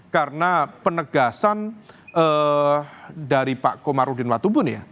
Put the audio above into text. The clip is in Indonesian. karena penegasan dari pak komar udin watubun ya